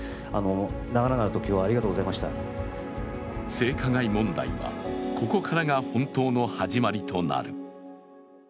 性加害問題は、ここからが本当の始まりとなる。